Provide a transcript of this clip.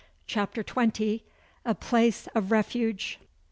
CHAPTER XX. A Place of Refuge.